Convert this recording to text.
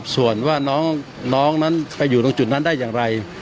ส่วนว่าน้องนั้นไปอยู่ตรงจุดนั้นได้อย่างไร